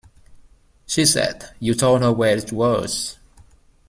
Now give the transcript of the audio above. She said you told her where it was.